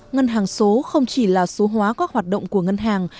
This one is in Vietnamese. ngân hàng số không chỉ là số hóa các hoạt động của ngân hàng